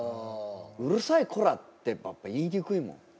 「うるさいこら！」ってやっぱ言いにくいもん。